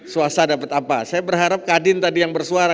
swasta dapat apa saya berharap kadin tadi yang bersuara